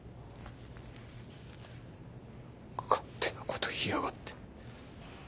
勝手なこと言いやがって。